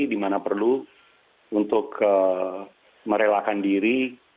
di mana perlu untuk merelakan diri